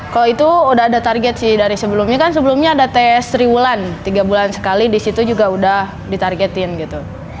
kalau itu udah ada target sih dari sebelumnya kan sebelumnya ada tes triwulan tiga bulan sekali disitu juga udah ditargetin gitu